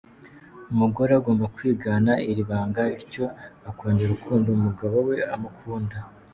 Umugore agomba kwigana iri banga bityo akongera urukundo umugabo we amukunda.